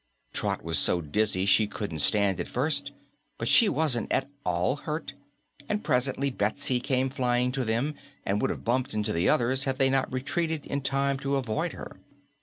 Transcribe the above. Trot was so dizzy she couldn't stand at first, but she wasn't at all hurt, and presently Betsy came flying to them and would have bumped into the others had they not retreated in time to avoid her.